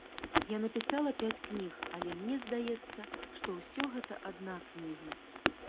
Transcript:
Я напісала пяць кніг, але мне здаецца, што ўсё гэта адна кніга.